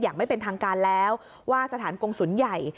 อย่างไม่เป็นทางการแล้วว่าสถานกงศูนย์ใหญ่